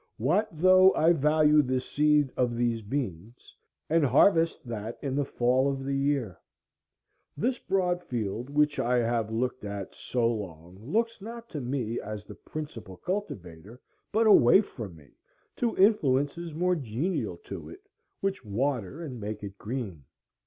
What though I value the seed of these beans, and harvest that in the fall of the year? This broad field which I have looked at so long looks not to me as the principal cultivator, but away from me to influences more genial to it, which water and make it green.